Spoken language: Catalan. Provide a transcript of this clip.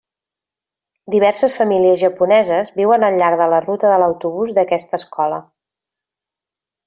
Diverses famílies japoneses viuen al llarg de la ruta de l'autobús d'aquesta escola.